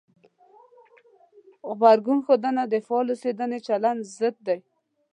غبرګون ښودنه د فعال اوسېدنې چلند ضد دی.